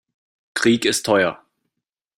Krieg ist teuer.